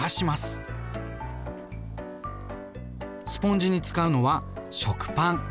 スポンジに使うのは食パン。